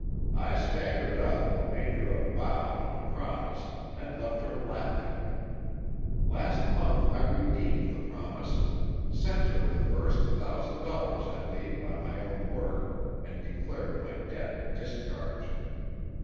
I staggered up, made her a bow and a promise, and left her laughing. Last month I redeemed the promise; sent her the first thousand dollars I made by my own work, and declared my debt discharged."